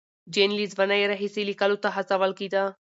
جین له ځوانۍ راهیسې لیکلو ته هڅول کېده.